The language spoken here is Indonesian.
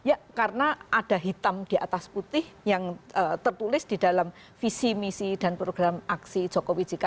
ya karena ada hitam di atas putih yang tertulis di dalam visi misi dan program aksi jokowi jk